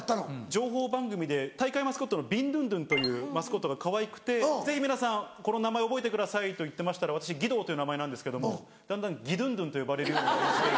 情報番組で大会マスコットのビンドゥンドゥンというマスコットがかわいくて「ぜひ皆さんこの名前覚えてください」と言ってましたら私義堂という名前なんですけどもだんだんギドゥンドゥンと呼ばれるようになりまして。